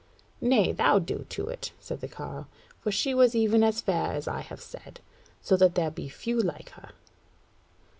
"Nay, do thou do it," said the carle; "she was even as fair as I have said; so that there be few like her."